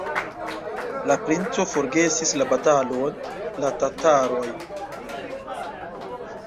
La princo forgesis la batalon, la tatarojn.